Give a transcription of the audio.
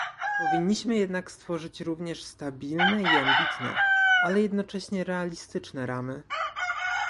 Powinniśmy jednak stworzyć również stabilne i ambitne, ale jednocześnie realistyczne ramy